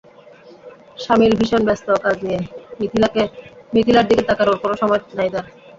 শামিল ভীষণ ব্যস্ত কাজ নিয়ে, মিথিলার দিকে তাকানোর কোনো সময় নাই তাঁর।